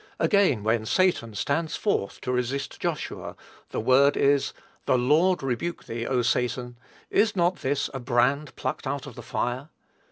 Again, when Satan stands forth to resist Joshua, the word is, "The Lord rebuke thee, O Satan, ... is not this a brand plucked out of the fire?"